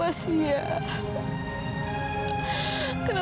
yang sebenarnya gue kami aka decades